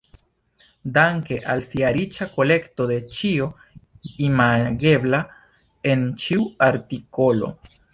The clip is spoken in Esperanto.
Danke al sia riĉa kolekto de ĉio imagebla en ĉiu artikolo.